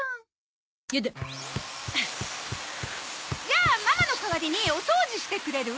じゃあママの代わりにお掃除してくれる？